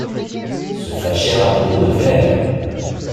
Se fâcher à propos de vers!